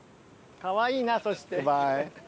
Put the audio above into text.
かわいいなそして。